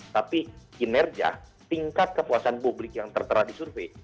tapi kinerja tingkat kepuasan publik yang tertera disurvey